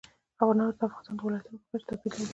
انار د افغانستان د ولایاتو په کچه توپیر لري.